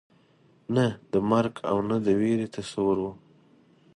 نه د مرګ او نه د وېرې تصور وو.